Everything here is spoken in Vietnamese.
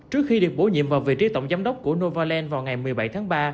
trước khi được bổ nhiệm vào vị trí tổng giám đốc của novaland vào ngày một mươi bảy tháng ba